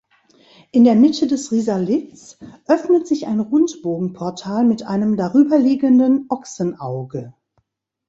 In der Mitte des Risalits öffnet sich ein Rundbogenportal mit einem darüberliegenden Ochsenauge.